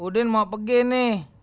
udin mau pergi nih